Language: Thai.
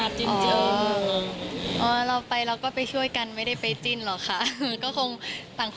แฟนอยากจะเห็นกันด้วยค่ะจิ้นมึง